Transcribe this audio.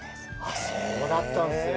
あっそうだったんすね。